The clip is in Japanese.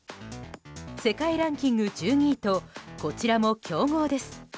世界ランキング１２位とこちらも強豪です。